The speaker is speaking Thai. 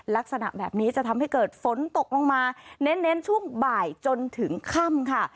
ลักษณะแบบนี้จะทำให้เกิดฝนตกลงมาเน้นช่วงบ่ายจนถึงค่ำค่ะ